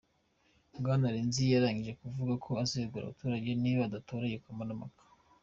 Bwana Renzi yarangije kuvuga ko azegura abaturage nibadatora iyo kamarampaka.